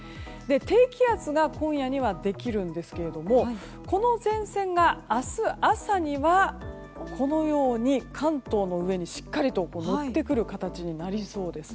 低気圧が今夜にはできるんですがこの前線が明日朝には関東の上にしっかりと乗ってくる形になりそうです。